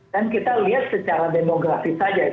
dan kita lihat secara demografis saja